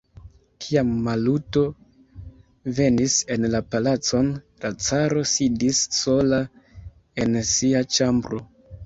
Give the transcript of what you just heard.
Kiam Maluto venis en la palacon, la caro sidis sola en sia ĉambro.